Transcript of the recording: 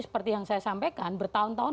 seperti yang saya sampaikan bertahun tahun